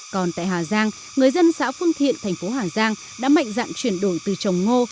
còn tại hà giang người dân xã phương thiện thành phố hà giang đã mạnh dạn chuyển đổi từ trồng ngô